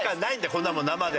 こんなもん生で。